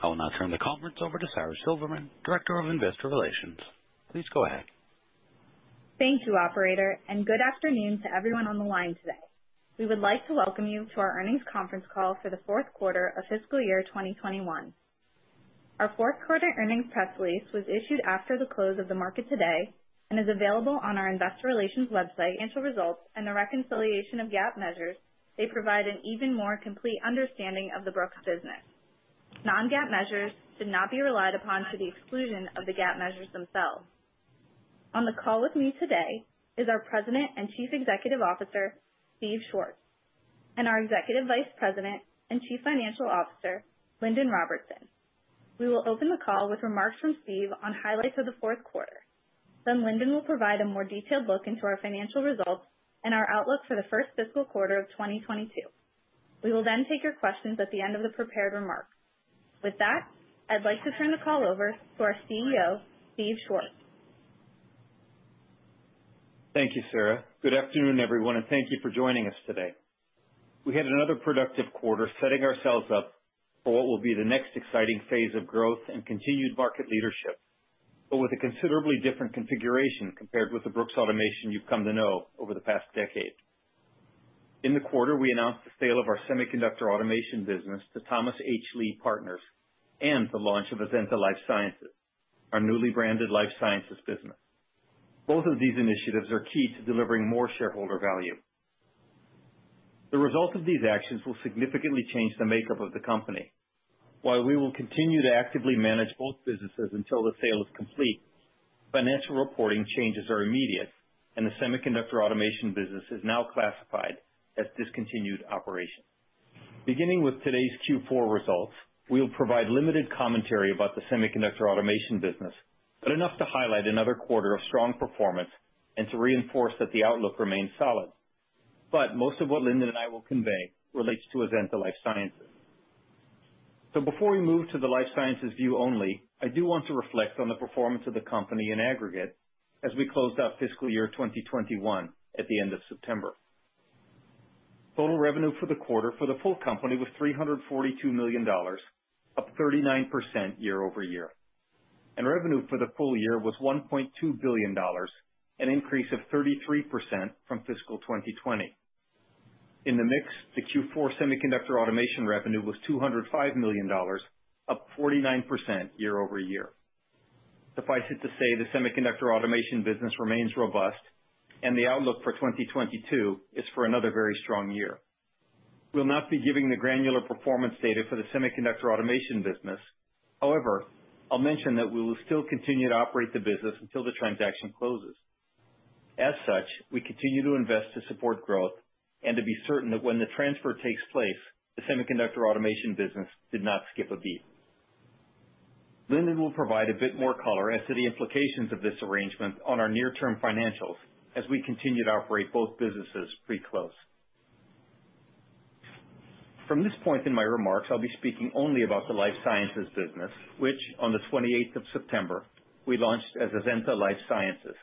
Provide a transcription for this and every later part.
Good afternoon to everyone on the line today. We would like to welcome you to our earnings conference call for the Q4 of fiscal year 2021. Our fourth-quarter earnings press release was issued after the close of the market today and is available on our investor relations website. Financial results and the reconciliation of GAAP measures, provide an even more complete understanding of the Azenta business. Non-GAAP measures should not be relied upon to the exclusion of the GAAP measures themselves. On the call with me today is our President and Chief Executive Officer, Steve Schwartz, and our Executive Vice President and Chief Financial Officer, Lyndon Robertson. We will open the call with remarks from Steve on highlights of the Q4. Then Lyndon will provide a more detailed look into our financial results and our outlook for the first fiscal quarter of 2022. We will then take your questions at the end of the prepared remarks. With that, I'd like to turn the call over to our CEO, Steve Schwartz. Thank you, Sara. Good afternoon, everyone, and thank you for joining us today. We had another productive quarter positioning ourselves for the next phase of growth and continued market leadership, with a considerably different configuration compared with the Brooks Automation you've come to know over the past decade. In the quarter, we announced the sale of our Semiconductor Automation business to Thomas H. Lee Partners and the launch of Azenta Life Sciences, our newly branded life sciences business. Both of these initiatives are key to delivering more shareholder value. The result of these actions will significantly change the composition of the company. While we will continue to actively manage both businesses until the sale is complete, financial reporting changes are immediate, and the Semiconductor Automation business is now classified as discontinued operations. Beginning with today's Q4 results, we will provide limited commentary about the Semiconductor Automation business, but enough to highlight another quarter of strong performance and to reinforce that the outlook remains solid. Most of what Lyndon and I will convey relates to Azenta Life Sciences. Before we move to the life sciences view only, I do want to reflect on the performance of the company in aggregate as we closed out fiscal year 2021 at the end of September. Total revenue for the quarter for the full company was $342 million, up 39% year-over-year. Revenue for the full year was $1.2 billion, an increase of 33% from fiscal 2020. Within this, the Q4 Semiconductor Automation revenue was $205 million, up 49% year-over-year. In summary, the Semiconductor Automation business remains robust, and the outlook for 2022 is for another very strong year. We'll not be giving granular performance data for the Semiconductor Automation business. However, we will continue to operate the business until the transaction closes. As such, we continue to invest to support growth and to be certain that when the transfer takes place, the Semiconductor Automation business did not skip a beat. Lyndon will provide a bit more color as to the implications of this arrangement on our near-term financials as we continue to operate both businesses pre-close. From this point in my remarks, I'll be speaking only about the life sciences business, which on the twenty-eighth of September, we launched as Azenta Life Sciences,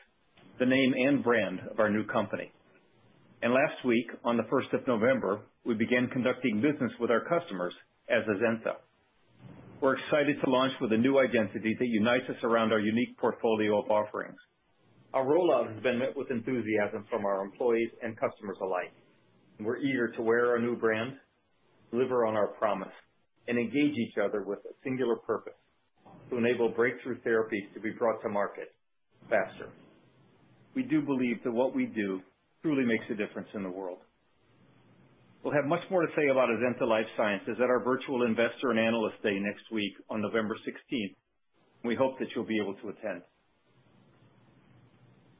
the name and brand of our new company. Last week, on November 1 we began conducting business with our customers as Azenta. We're excited to launch with a new identity that unites us around our unique portfolio of offerings. Our rollout has been met with enthusiasm from our employees and customers alike, and we're eager to wear our new brand, deliver on our promise, and engage with each other with a singular purpose to enable breakthrough therapies to be brought to market faster. We do believe that what we do truly makes a difference in the world. We'll have much more to say about Azenta Life Sciences at our virtual Investor and Analyst Day next week on November sixteenth. We hope that you'll be able to attend.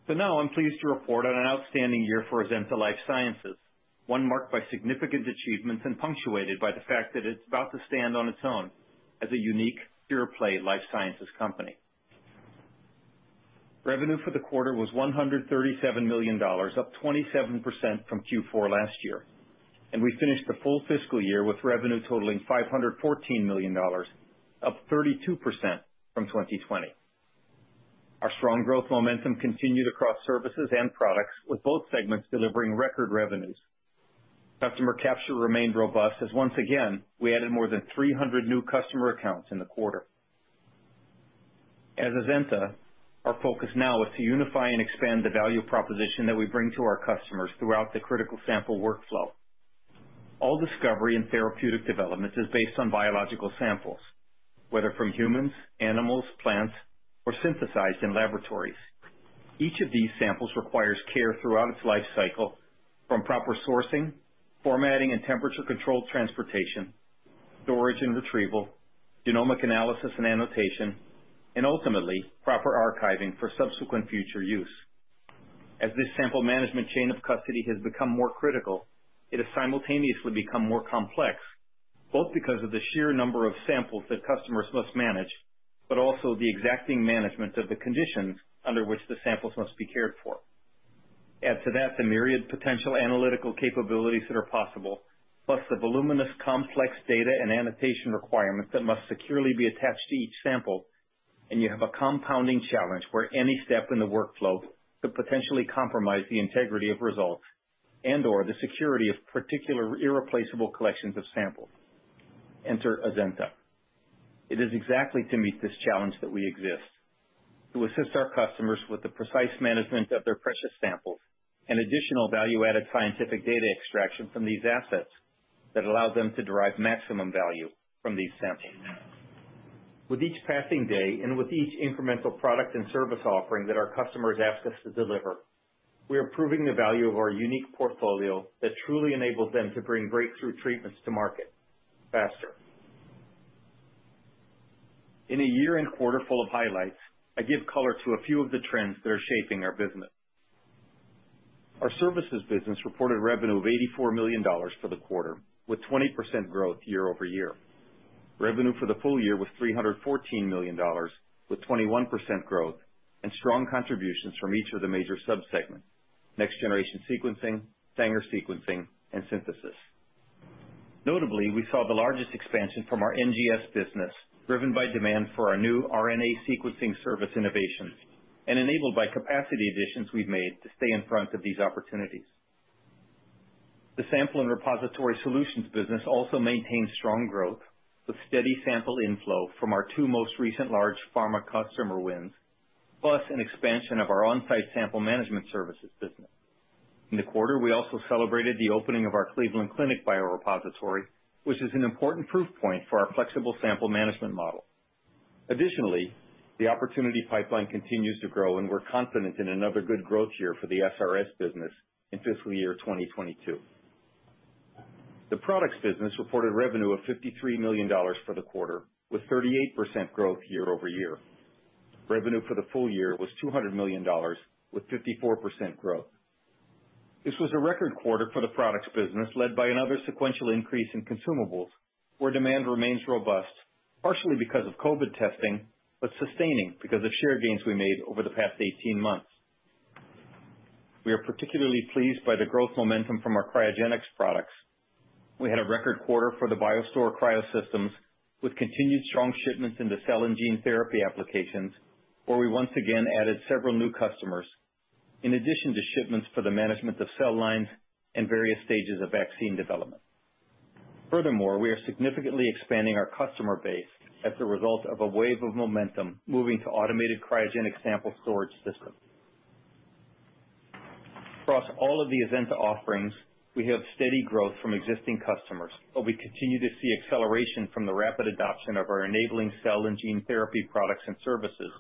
For now, I'm pleased to report on an outstanding year for Azenta Life Sciences, one marked by significant achievements and punctuated by the fact that it's about to stand on its own as a unique pure-play life sciences company. Revenue for the quarter was $137 million, up 27% from Q4 last year. We finished the full fiscal year with revenue totaling $514 million, up 32% from 2020. Our strong growth momentum continued across services and products, with both segments delivering record revenues. Customer capture remained robust as once again, we added more than 300 new customer accounts in the quarter. As Azenta, our focus now is to unify and expand the value proposition that we bring to our customers throughout the critical sample workflow. All discovery and therapeutic development is based on biological samples, whether from humans, animals, plants, or synthesized in laboratories. Each of these samples requires care throughout its life cycle from proper sourcing, formatting, and temperature-controlled transportation, storage and retrieval, genomic analysis and annotation, and ultimately, proper archiving for subsequent future use. As this sample management chain of custody has become more critical, it has simultaneously become more complex, both because of the sheer number of samples that customers must manage, but also the exacting management of the conditions under which the samples must be cared for. Add to that the myriad potential analytical capabilities that are possible, plus the voluminous, complex data and annotation requirements that must securely be attached to each sample, and you have a compounding challenge where any step in the workflow could potentially compromise the integrity of results and/or the security of particular irreplaceable collections of samples. Enter Azenta. It is exactly to meet this challenge that we exist, to assist our customers with the precise management of their precious samples and additional value-added scientific data extraction from these assets that allow them to derive maximum value from these samples. With each passing day and with each incremental product and service offering that our customers ask us to deliver, we are proving the value of our unique portfolio that truly enables them to bring breakthrough treatments to market faster. In a year and quarter full of highlights, I give color to a few of the trends that are shaping our business. Our services business reported revenue of $84 million for the quarter, with 20% growth year-over-year. Revenue for the full year was $314 million with 21% growth and strong contributions from each of the major sub-segments, next-generation sequencing, Sanger sequencing, and synthesis. Notably, we saw the largest expansion from our NGS business, driven by demand for our new RNA sequencing service innovations and enabled by capacity additions we've made to stay in front of these opportunities. The Sample Repository Solutions business also maintains strong growth with steady sample inflow from our two most recent large pharma customer wins, plus an expansion of our on-site sample management services business. In the quarter, we also celebrated the opening of our Cleveland Clinic biorepository, which is an important proof point for our flexible sample management model. Additionally, the opportunity pipeline continues to grow, and we're confident in another good growth year for the SRS business in fiscal year 2022. The products business reported revenue of $53 million for the quarter, with 38% growth year-over-year. Revenue for the full year was $200 million with 54% growth. This was a record quarter for the products business, led by another sequential increase in consumables, where demand remains robust, partially because of COVID testing, but sustaining because of share gains we made over the past 18 months. We are particularly pleased by the growth momentum from our cryogenics products. We had a record quarter for the BioStore cryosystems with continued strong shipments into cell and gene therapy applications, where we once again added several new customers, in addition to shipments for the management of cell lines and various stages of vaccine development. Furthermore, we are significantly expanding our customer base as a result of a wave of momentum moving to automated cryogenic sample storage systems. Across all of the Azenta offerings, we have steady growth from existing customers, but we continue to see acceleration from the rapid adoption of our enabling cell and gene therapy products and services,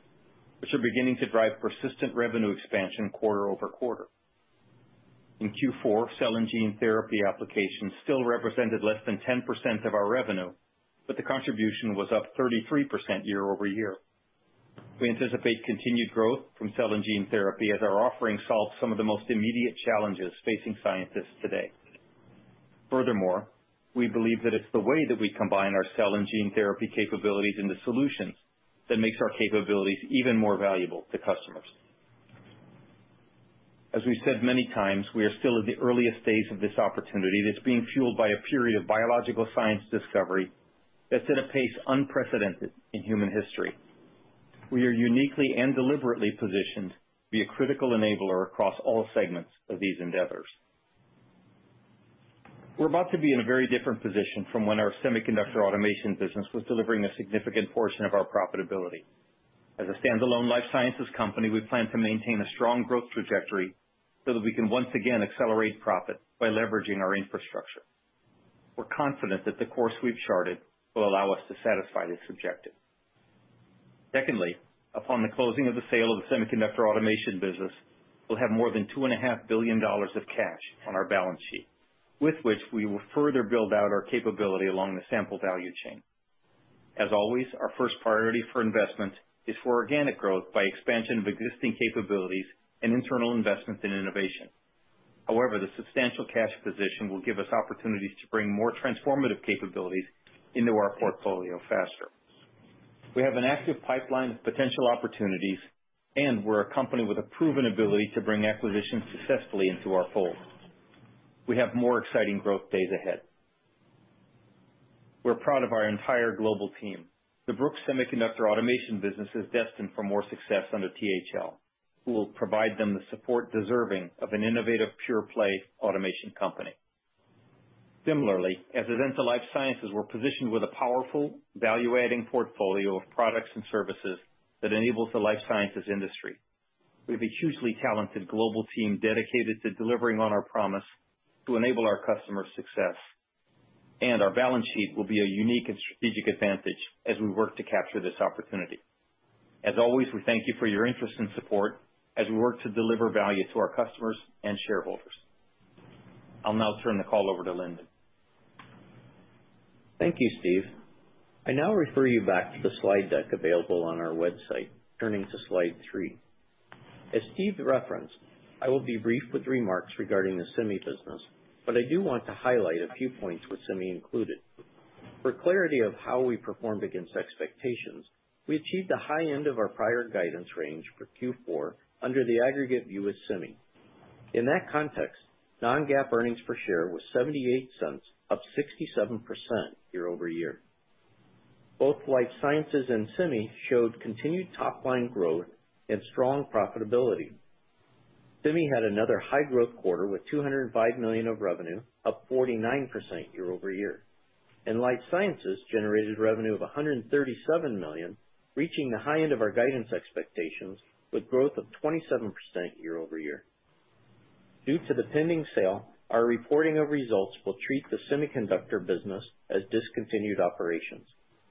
which are beginning to drive persistent revenue expansion quarter-over-quarter. In Q4, cell and gene therapy applications still represented less than 10% of our revenue, but the contribution was up 33% year-over-year. We anticipate continued growth from cell and gene therapy as our offering solves some of the most immediate challenges facing scientists today. Furthermore, we believe that it's the way that we combine our cell and gene therapy capabilities into solutions that makes our capabilities even more valuable to customers. As we've said many times, we are still at the earliest stage of this opportunity that's being fueled by a period of biological science discovery that's at a pace unprecedented in human history. We are uniquely and deliberately positioned to be a critical enabler across all segments of these endeavors. We're about to be in a very different position from when our Semiconductor Automation business was delivering a significant portion of our profitability. As a standalone life sciences company, we plan to maintain a strong growth trajectory so that we can once again accelerate profit by leveraging our infrastructure. We're confident that the course we've charted will allow us to satisfy this objective. Secondly, upon the closing of the sale of the semiconductor automation business, we'll have more than $2.5 billion of cash on our balance sheet, with which we will further build out our capability along the sample value chain. As always, our first priority for investment is for organic growth by expansion of existing capabilities and internal investments in innovation. However, the substantial cash position will give us opportunities to bring more transformative capabilities into our portfolio faster. We have an active pipeline of potential opportunities, and we're a company with a proven ability to bring acquisitions successfully into our fold. We have more exciting growth days ahead. We're proud of our entire global team. The Brooks Semiconductor Automation business is destined for more success under THL, who will provide them the support deserving of an innovative pure play automation company. Similarly, at Azenta Life Sciences, we're positioned with a powerful value-adding portfolio of products and services that enables the life sciences industry. We have a hugely talented global team dedicated to delivering on our promise to enable our customers' success, and our balance sheet will be a unique and strategic advantage as we work to capture this opportunity. As always, we thank you for your interest and support as we work to deliver value to our customers and shareholders. I'll now turn the call over to Lyndon. Thank you, Steve. I now refer you back to the slide deck available on our website, turning to slide 3. As Steve referenced, I will be brief with remarks regarding the semi business, but I do want to highlight a few points with semi included. For clarity of how we performed against expectations, we achieved the high end of our prior guidance range for Q4 under the aggregate view with semi. In that context, non-GAAP earnings per share was $0.78, up 67% year-over-year. Both life sciences and semi showed continued top line growth and strong profitability. Semi had another high growth quarter with $205 million of revenue, up 49% year-over-year, and life sciences generated revenue of $137 million, reaching the high end of our guidance expectations with growth of 27% year-over-year. Due to the pending sale, our reporting of results will treat the semiconductor business as discontinued operations,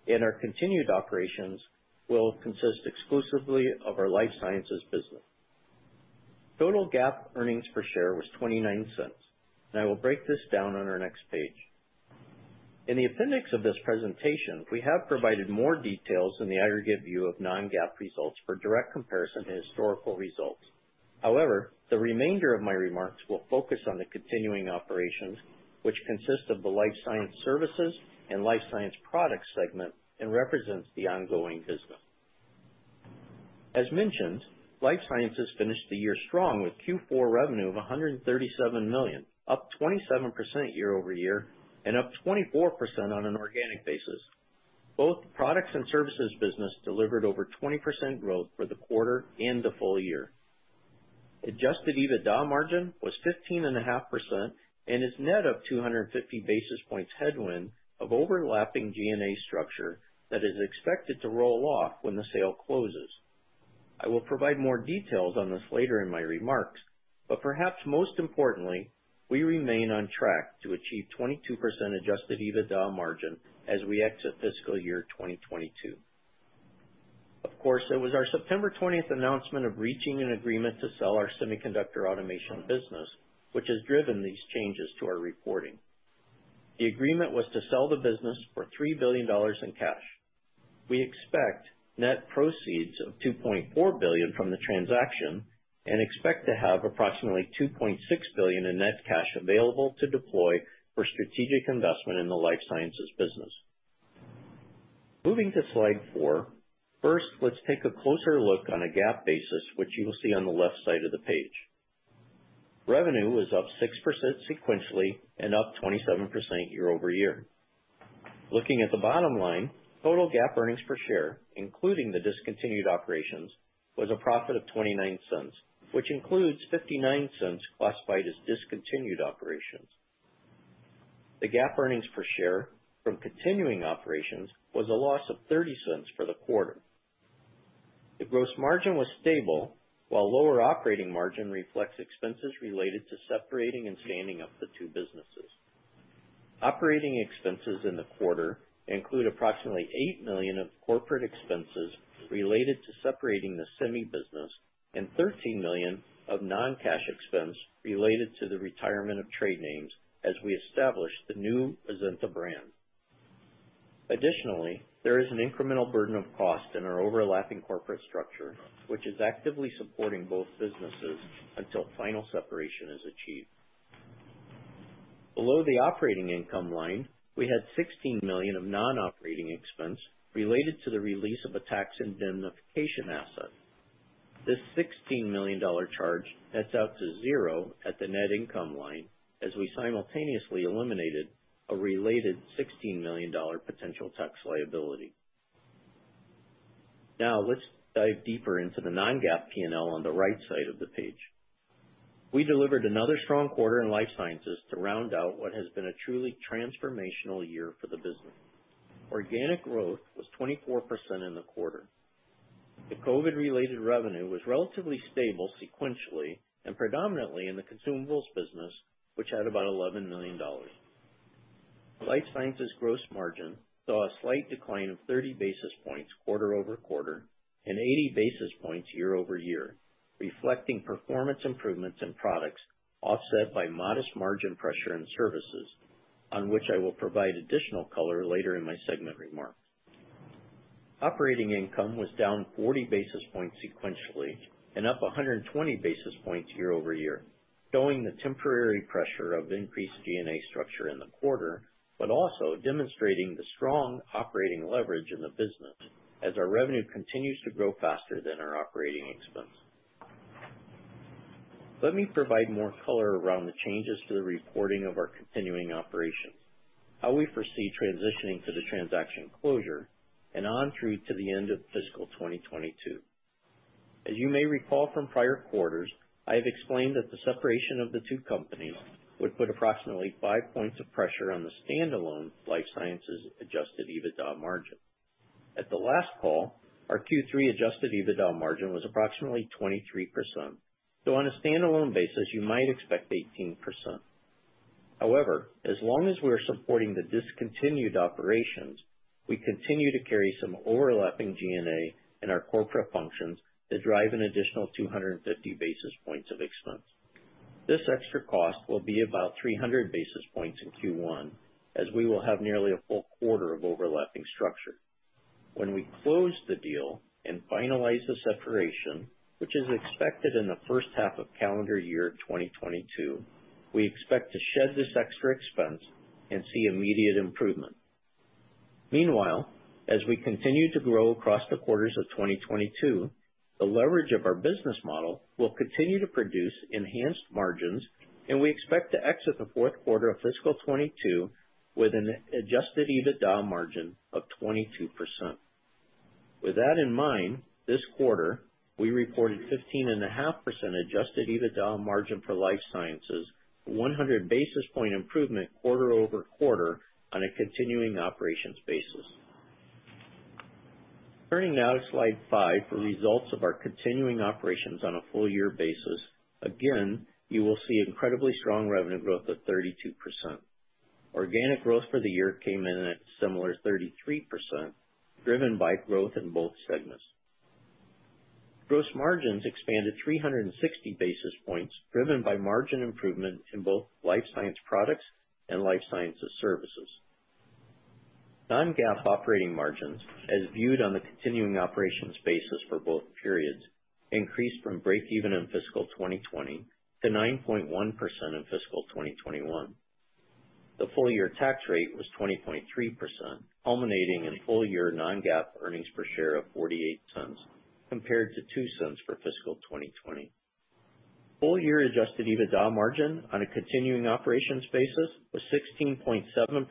and our continued operations will consist exclusively of our Life Sciences business. Total GAAP earnings per share was $0.29, and I will break this down on our next page. In the appendix of this presentation, we have provided more details in the aggregate view of non-GAAP results for direct comparison to historical results. However, the remainder of my remarks will focus on the continuing operations, which consist of the Life Sciences services and Life Sciences products segment and represents the ongoing business. As mentioned, Life Sciences finished the year strong with Q4 revenue of $137 million, up 27% year-over-year and up 24% on an organic basis. Both products and services business delivered over 20% growth for the quarter and the full year. Adjusted EBITDA margin was 15.5% and is net of 250 basis points headwind of overlapping G&A structure that is expected to roll off when the sale closes. I will provide more details on this later in my remarks, but perhaps most importantly, we remain on track to achieve 22% adjusted EBITDA margin as we exit fiscal year 2022. Of course, it was our September 20 announcement of reaching an agreement to sell our Semiconductor Automation business, which has driven these changes to our reporting. The agreement was to sell the business for $3 billion in cash. We expect net proceeds of $2.4 billion from the transaction and expect to have approximately $2.6 billion in net cash available to deploy for strategic investment in the life sciences business. Moving to slide 4. First, let's take a closer look on a GAAP basis, which you will see on the left side of the page. Revenue was up 6% sequentially and up 27% year-over-year. Looking at the bottom line, total GAAP earnings per share, including the discontinued operations, was a profit of $0.29, which includes $0.59 classified as discontinued operations. The GAAP earnings per share from continuing operations was a loss of $0.30 for the quarter. The gross margin was stable while lower operating margin reflects expenses related to separating and standing up the two businesses. Operating expenses in the quarter include approximately $8 million of corporate expenses related to separating the semi business and $13 million of non-cash expense related to the retirement of trade names as we establish the new Azenta brand. Additionally, there is an incremental burden of cost in our overlapping corporate structure, which is actively supporting both businesses until final separation is achieved. Below the operating income line, we had $16 million of non-operating expense related to the release of a tax indemnification asset. This $16 million charge nets out to zero at the net income line as we simultaneously eliminated a related $16 million potential tax liability. Now, let's dive deeper into the non-GAAP P&L on the right side of the page. We delivered another strong quarter in life sciences to round out what has been a truly transformational year for the business. Organic growth was 24% in the quarter. The COVID-related revenue was relatively stable sequentially and predominantly in the consumables business, which had about $11 million. Life Sciences gross margin saw a slight decline of 30 basis points quarter-over-quarter and 80 basis points year-over-year, reflecting performance improvements in products offset by modest margin pressure and services, on which I will provide additional color later in my segment remarks. Operating income was down 40 basis points sequentially and up 120 basis points year-over-year, showing the temporary pressure of increased G&A structure in the quarter, but also demonstrating the strong operating leverage in the business as our revenue continues to grow faster than our operating expense. Let me provide more color around the changes to the reporting of our continuing operations, how we foresee transitioning to the transaction closure, and on through to the end of fiscal 2022. As you may recall from prior quarters, I have explained that the separation of the two companies would put approximately 5 points of pressure on the standalone life sciences adjusted EBITDA margin. At the last call, our Q3 adjusted EBITDA margin was approximately 23%, so on a standalone basis, you might expect 18%. However, as long as we're supporting the discontinued operations, we continue to carry some overlapping G&A in our corporate functions that drive an additional 250 basis points of expense. This extra cost will be about 300 basis points in Q1, as we will have nearly a full quarter of overlapping structure. When we close the deal and finalize the separation, which is expected in the first half of calendar year 2022, we expect to shed this extra expense and see immediate improvement. Meanwhile, as we continue to grow across the quarters of 2022, the leverage of our business model will continue to produce enhanced margins, and we expect to exit the Q4 of fiscal 2022 with an adjusted EBITDA margin of 22%. With that in mind, this quarter, we reported 15.5% adjusted EBITDA margin for Life Sciences, 100 basis point improvement quarter-over-quarter on a continuing operations basis. Turning now to slide 5 for results of our continuing operations on a full year basis. Again, you will see incredibly strong revenue growth of 32%. Organic growth for the year came in at similar 33%, driven by growth in both segments. Gross margins expanded 360 basis points, driven by margin improvement in both Life Sciences products and Life Sciences services. Non-GAAP operating margins, as viewed on the continuing operations basis for both periods, increased from break-even in fiscal 2020 to 9.1% in fiscal 2021. The full year tax rate was 20.3%, culminating in full year non-GAAP earnings per share of $0.48, compared to $0.02 for fiscal 2020. Full year adjusted EBITDA margin on a continuing operations basis was 16.7%,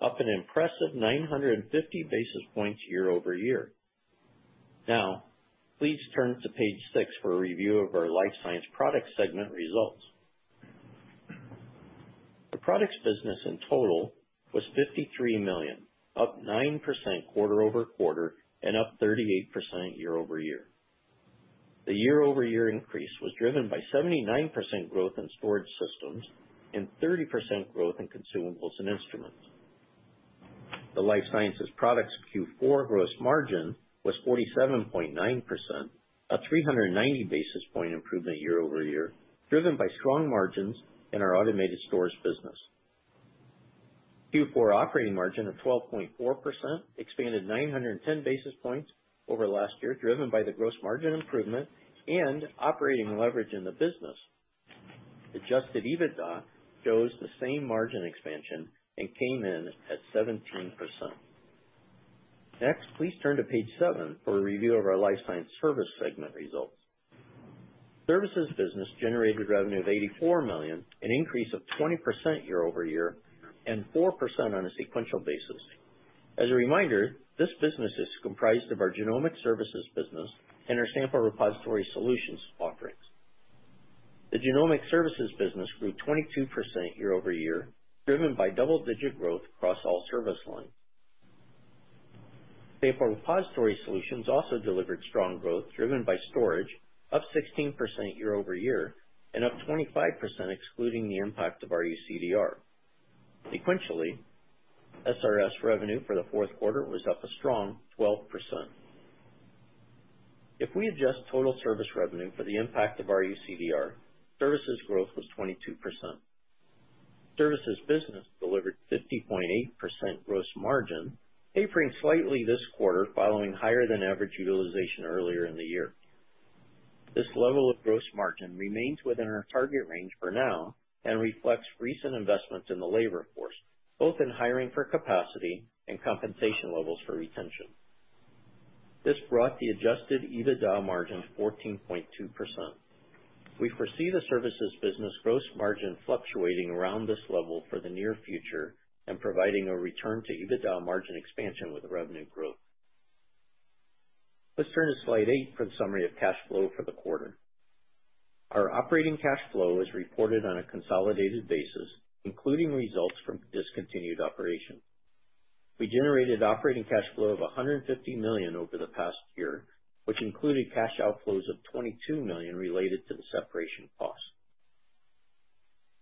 up an impressive 950 basis points year-over-year. Now, please turn to page 6 for a review of our Life Sciences products segment results. The products business in total was $53 million, up 9% quarter-over-quarter and up 38% year-over-year. The year-over-year increase was driven by 79% growth in storage systems and 30% growth in consumables and instruments. The life sciences products Q4 gross margin was 47.9%, a 390 basis points improvement year-over-year, driven by strong margins in our automated storage business. Q4 operating margin of 12.4% expanded 910 basis points over last year, driven by the gross margin improvement and operating leverage in the business. Adjusted EBITDA shows the same margin expansion and came in at 17%. Next, please turn to page 7 for a review of our life sciences service segment results. Services business generated revenue of $84 million, an increase of 20% year-over-year and 4% on a sequential basis. As a reminder, this business is comprised of our genomic services business and our Sample Repository Solutions offerings. The genomic services business grew 22% year-over-year, driven by double-digit growth across all service lines. Sample Repository Solutions also delivered strong growth, driven by storage up 16% year-over-year and up 25% excluding the impact of RUCDR. Sequentially, SRS revenue for the Q4 was up a strong 12%. If we adjust total service revenue for the impact of RUCDR, services growth was 22%. Services business delivered 50.8% gross margin, tapering slightly this quarter following higher than average utilization earlier in the year. This level of gross margin remains within our target range for now and reflects recent investments in the labor force, both in hiring for capacity and compensation levels for retention. This brought the adjusted EBITDA margin to 14.2%. We foresee the services business gross margin fluctuating around this level for the near future and providing a return to EBITDA margin expansion with revenue growth. Let's turn to slide 8 for the summary of cash flow for the quarter. Our operating cash flow is reported on a consolidated basis, including results from discontinued operations. We generated operating cash flow of $150 million over the past year, which included cash outflows of $22 million related to the separation costs.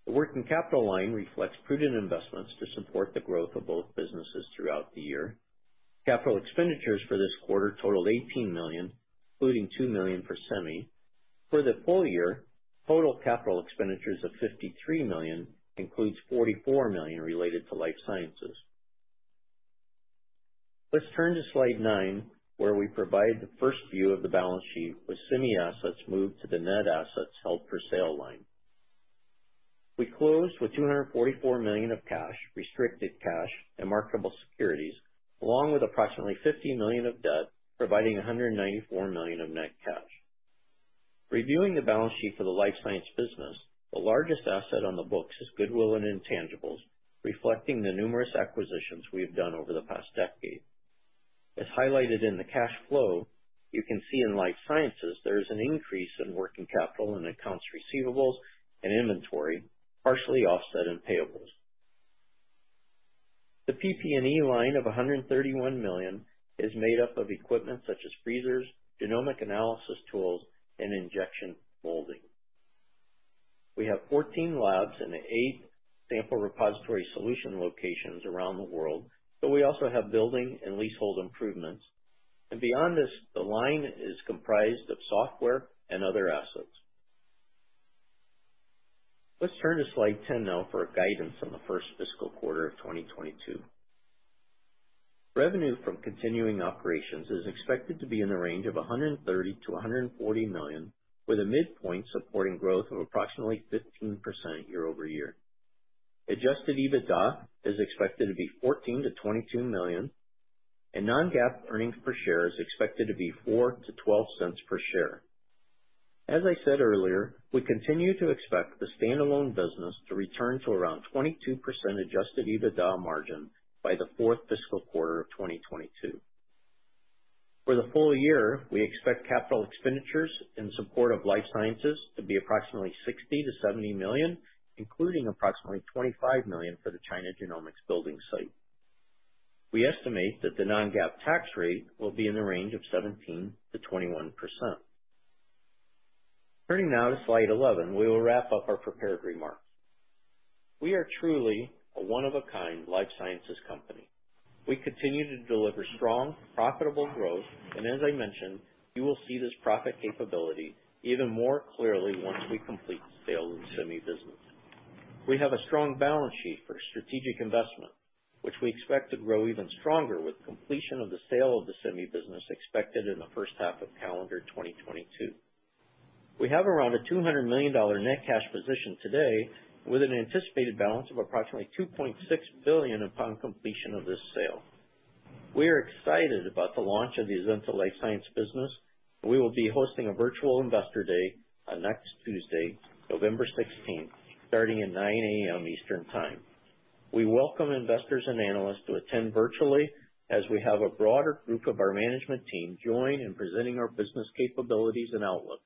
The working capital line reflects prudent investments to support the growth of both businesses throughout the year. Capital expenditures for this quarter totaled $18 million, including $2 million for semi. For the full year, total capital expenditures of $53 million includes $44 million related to Life Sciences. Let's turn to slide 9, where we provide the first view of the balance sheet with semi assets moved to the net assets held for sale line. We closed with $244 million of cash, restricted cash and marketable securities, along with approximately $50 million of debt, providing $194 million of net cash. Reviewing the balance sheet for the Life Sciences business, the largest asset on the books is goodwill and intangibles, reflecting the numerous acquisitions we have done over the past decade. As highlighted in the cash flow, you can see in Life Sciences there is an increase in working capital in accounts receivables and inventory, partially offset in payables. The PP&E line of $131 million is made up of equipment such as freezers, genomic analysis tools, and injection molding. We have 14 labs and 8 Sample Repository Solutions locations around the world, but we also have building and leasehold improvements. Beyond this, the line is comprised of software and other assets. Let's turn to slide 10 now for guidance on the first fiscal quarter of 2022. Revenue from continuing operations is expected to be in the range of $130 million-$140 million, with a midpoint supporting growth of approximately 15% year-over-year. Adjusted EBITDA is expected to be $14 million-$22 million, and non-GAAP earnings per share is expected to be $0.04-$0.12 per share. As I said earlier, we continue to expect the standalone business to return to around 22% adjusted EBITDA margin by the fourth fiscal quarter of 2022. For the full year, we expect capital expenditures in support of life sciences to be approximately $60 million-$70 million, including approximately $25 million for the China Genomics building site. We estimate that the non-GAAP tax rate will be in the range of 17%-21%. Turning now to slide 11, we will wrap up our prepared remarks. We are truly a one-of-a-kind life sciences company. We continue to deliver strong, profitable growth. As I mentioned, you will see this profit capability even more clearly once we complete the sale of the semi business. We have a strong balance sheet for strategic investment, which we expect to grow even stronger with completion of the sale of the semi business expected in the first half of calendar 2022. We have around a $200 million net cash position today with an anticipated balance of approximately $2.6 billion upon completion of this sale. We are excited about the launch of the Azenta Life Sciences business. We will be hosting a virtual Investor Day on next Tuesday, November 16, starting at 9:00 A.M. Eastern Time. We welcome investors and analysts to attend virtually as we have a broader group of our management team join in presenting our business capabilities and outlook.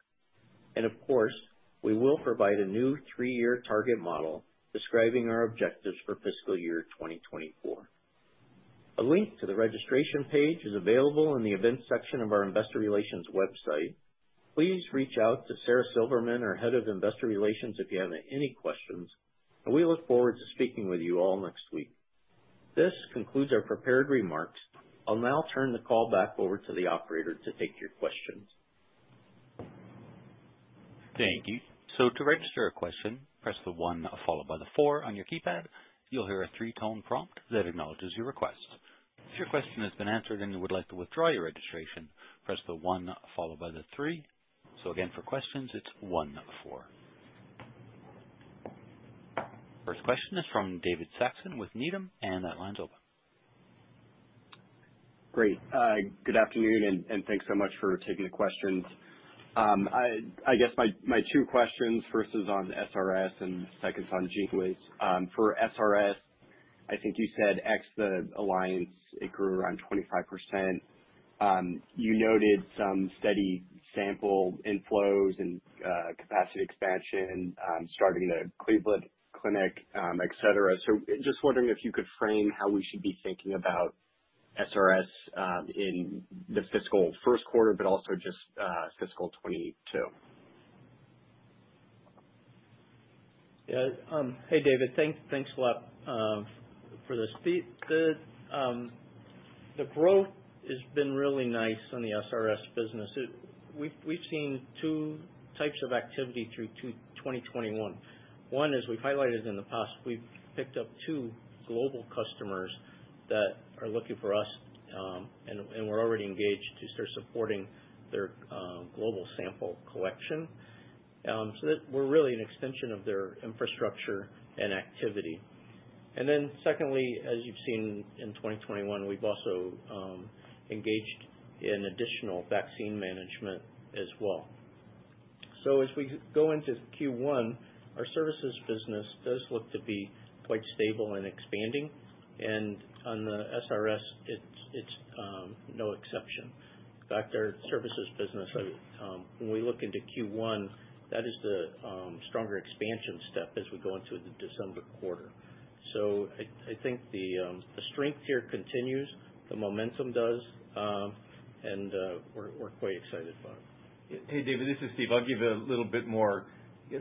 Of course, we will provide a new three-year target model describing our objectives for fiscal year 2024. A link to the registration page is available in the events section of our investor relations website. Please reach out to Sara Silverman, our Head of Investor Relations, if you have any questions, and we look forward to speaking with you all next week. This concludes our prepared remarks. I'll now turn the call back over to the operator to take your questions. Great. Good afternoon, and thanks so much for taking the questions. I guess my two questions. First is on the SRS and second is on GENEWIZ. For SRS, I think you said ex the alliance, it grew around 25%. You noted some steady sample inflows and capacity expansion starting the Cleveland Clinic, et cetera. Just wondering if you could frame how we should be thinking about SRS in the fiscal Q1, but also just fiscal 2022. Yeah. Hey, David. Thanks a lot for this. Steve. The growth has been really nice on the SRS business. We've seen two types of activity through 2021. One, as we've highlighted in the past, we've picked up two global customers that are looking for us, and we're already engaged to start supporting their global sample collection. So that we're really an extension of their infrastructure and activity. Then secondly, as you've seen in 2021, we've also engaged in additional vaccine management as well. As we go into Q1, our services business does look to be quite stable and expanding. On the SRS, it's no exception. In fact, our services business, when we look into Q1, that is the stronger expansion step as we go into the December quarter. I think the strength here continues, the momentum does, and we're quite excited about it. Hey, David, this is Steve. I'll give a little bit more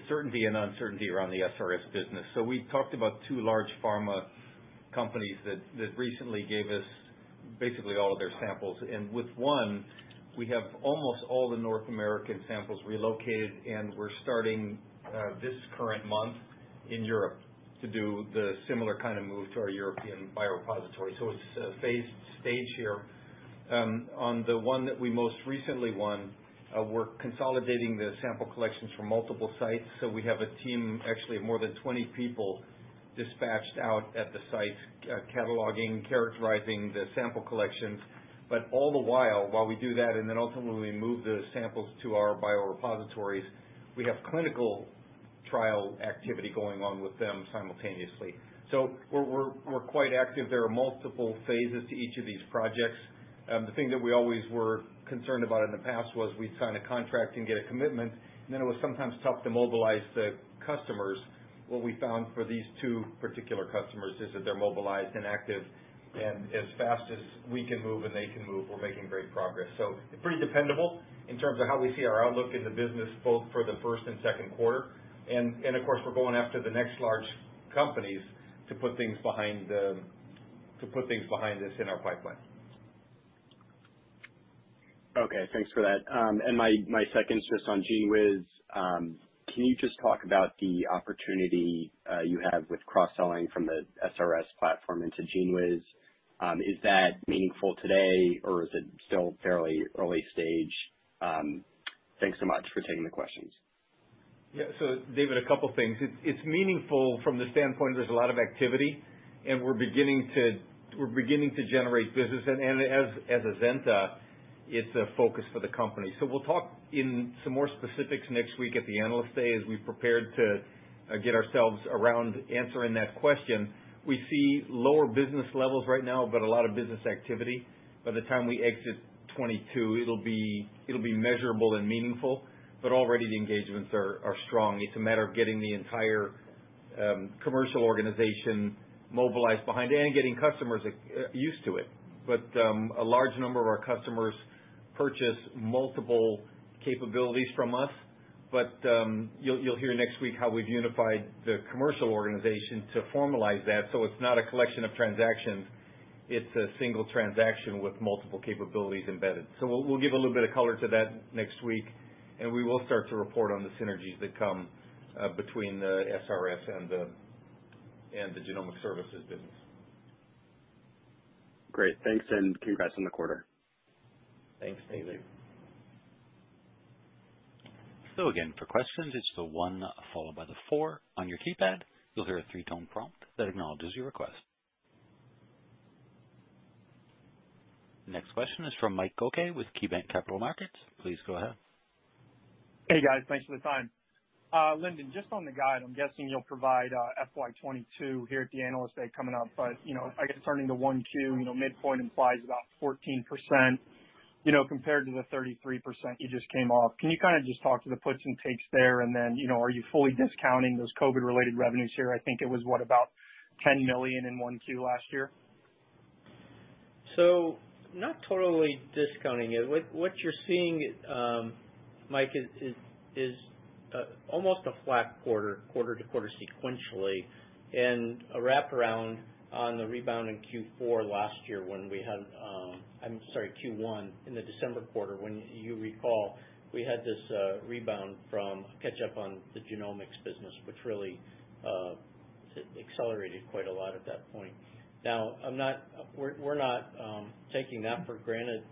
certainty and uncertainty around the SRS business. We talked about two large pharma companies that recently gave us basically all of their samples. With one, we have almost all the North American samples relocated, and we're starting this current month in Europe to do the similar kind of move to our European biorepository. It's a phased stage here. On the one that we most recently won, we're consolidating the sample collections from multiple sites. We have a team actually of more than 20 people dispatched out at the site cataloging, characterizing the sample collections. All the while we do that, and then ultimately move the samples to our biorepositories, we have clinical trial activity going on with them simultaneously. We're quite active. There are multiple phases to each of these projects. The thing that we always were concerned about in the past was we'd sign a contract and get a commitment, and then it was sometimes tough to mobilize the customers. What we found for these two particular customers is that they're mobilized and active. As fast as we can move and they can move, we're making great progress. Pretty dependable in terms of how we see our outlook in the business both for the first and Q2. Of course, we're going after the next large companies. To put things behind us in our pipeline. Okay, thanks for that. My second's just on GENEWIZ. Can you just talk about the opportunity you have with cross-selling from the SRS platform into GENEWIZ? Is that meaningful today, or is it still fairly early stage? Thanks so much for taking the questions. Yeah. David, a couple things. It's meaningful from the standpoint there's a lot of activity, and we're beginning to generate business. As Azenta, it's a focus for the company. We'll talk in some more specifics next week at the Analyst Day, as we've prepared to get our arms around answering that question. We see lower business levels right now, but a lot of business activity. By the time we exit 2022, it'll be measurable and meaningful, but already the engagements are strong. It's a matter of getting the entire commercial organization mobilized behind it and getting customers used to it. A large number of our customers purchase multiple capabilities from us, but you'll hear next week how we've unified the commercial organization to formalize that. It's not a collection of transactions, it's a single transaction with multiple capabilities embedded. We'll give a little bit of color to that next week, and we will start to report on the synergies that come between the SRS and the genomic services business. Great. Thanks, and congrats on the quarter. Thanks, David. Hey, guys. Thanks for the time. Lyndon, just on the guide, I'm guessing you'll provide FY 2022 here at the Analyst Day coming up. You know, I guess turning to 1Q, you know, midpoint implies about 14% compared to the 33% you just came off. Can you kinda just talk to the puts and takes there? And then, you know, are you fully discounting those COVID-related revenues here? I think it was, what, about $10 million in 1Q last year. Not totally discounting it. What you're seeing, Mike, is almost a flat quarter-over-quarter sequentially, and a wraparound on the rebound in Q4 last year. I'm sorry, Q1, in the December quarter, when you recall we had this rebound from catch-up on the genomics business, which really it accelerated quite a lot at that point. Now, we're not taking that for granted,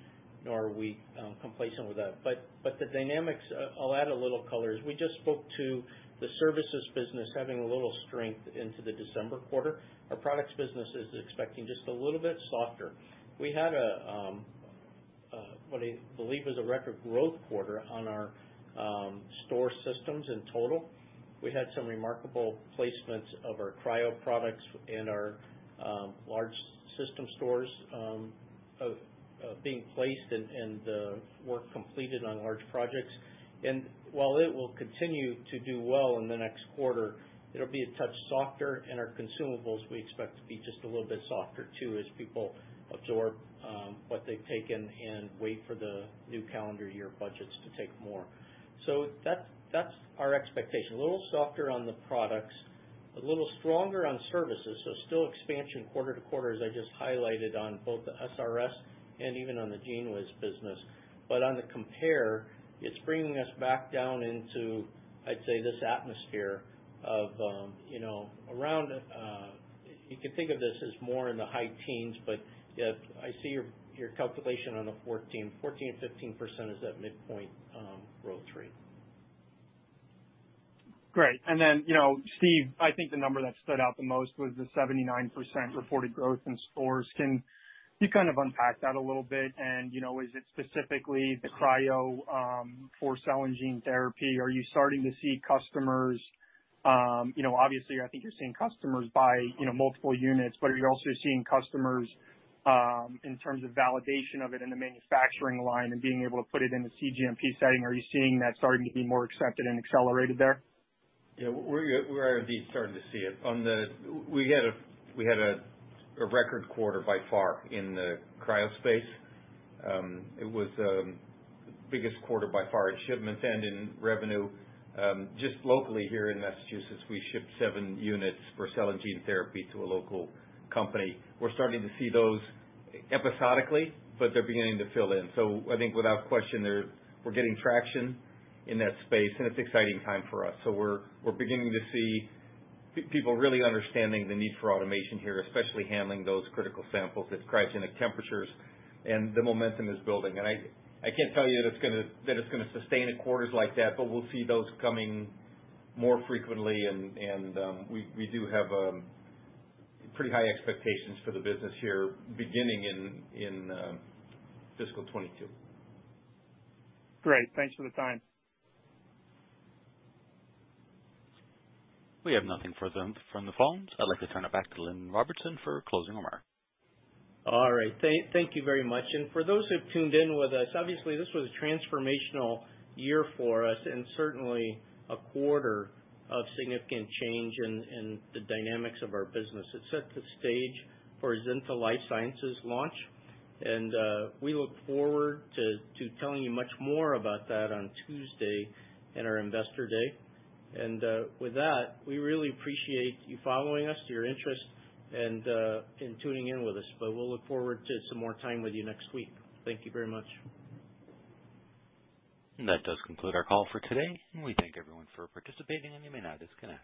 nor are we complacent with that. But the dynamics, I'll add a little color, is we just spoke to the services business having a little strength into the December quarter. Our products business is expecting just a little bit softer. We had what I believe was a record growth quarter on our store systems in total. We had some remarkable placements of our cryo products in our large system stores of being placed and work completed on large projects. While it will continue to do well in the next quarter, it'll be a touch softer. In our consumables, we expect to be just a little bit softer too, as people absorb what they've taken and wait for the new calendar year budgets to take more. That's our expectation. A little softer on the products, a little stronger on services, still expansion quarter to quarter, as I just highlighted on both the SRS and even on the GENEWIZ business. On the compare, it's bringing us back down into, I'd say, this atmosphere of you know, around. You could think of this as more in the high teens, but yeah, I see your calculation on the 14. 14-15% is that midpoint growth rate. Great. You know, Steve, I think the number that stood out the most was the 79% reported growth in BioStore. Can you kind of unpack that a little bit? You know, is it specifically the cryo for cell and gene therapy? Are you starting to see customers? You know, obviously I think you're seeing customers buy, you know, multiple units, but are you also seeing customers in terms of validation of it in the manufacturing line and being able to put it in the cGMP setting? Are you seeing that starting to be more accepted and accelerated there? Yeah. We're indeed starting to see it. We had a record quarter by far in the cryo space. It was the biggest quarter by far in shipments and in revenue. Just locally here in Massachusetts, we shipped 7 units for cell and gene therapy to a local company. We're starting to see those episodically, but they're beginning to fill in. I think without question there, we're getting traction in that space, and it's an exciting time for us. We're beginning to see people really understanding the need for automation here, especially handling those critical samples. It's cryogenic temperatures, and the momentum is building. I can't tell you that it's gonna sustain at quarters like that, but we'll see those coming more frequently and we do have pretty high expectations for the business here beginning in fiscal 2022. Great. Thanks for the time. All right. Thank you very much. For those who've tuned in with us, obviously this was a transformational year for us, and certainly a quarter of significant change in the dynamics of our business. It set the stage for Azenta Life Sciences launch, and we look forward to telling you much more about that on Tuesday in our Investor Day. With that, we really appreciate you following us, your interest, and in tuning in with us. We'll look forward to some more time with you next week. Thank you very much.